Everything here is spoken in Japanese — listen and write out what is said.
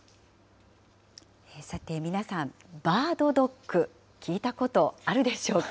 さて、皆さん、バードドック、聞いたことあるでしょうか？